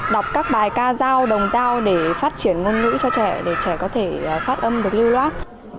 đọc các bài ca giao đồng dao để phát triển ngôn ngữ cho trẻ để trẻ có thể phát âm được lưu loát